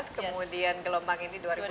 kemudian gelombang ini dua ribu delapan belas